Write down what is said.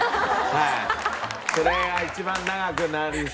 はい。